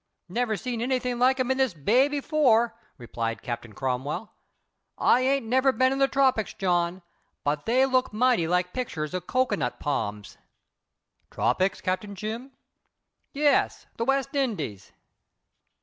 "Never seen anything like 'em in this bay before," replied Captain Cromwell. "I ain't never been in the tropics, John, but they look mighty like pictures of cocoanut palms." "Tropics, Cap. Jim?" "Yes; the West Indies."